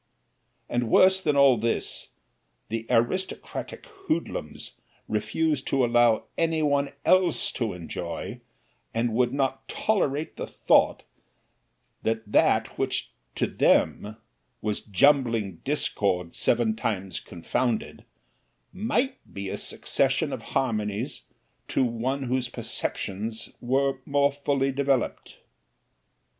And worse than all this, the aristocratic hoodlums refused to allow any one else to enjoy, and would not tolerate the thought that that which to them was "jumbling discord, seven times confounded" might be a succession of harmonies to one whose perceptions were more fully developed.